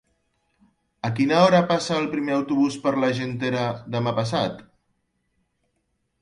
A quina hora passa el primer autobús per l'Argentera demà passat?